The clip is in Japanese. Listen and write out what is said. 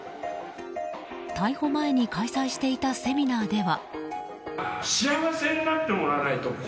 逮捕前に開催していたセミナーでは。